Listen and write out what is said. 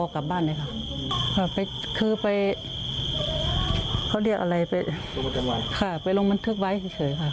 คือไปลงบันทึกไว้เฉยค่ะ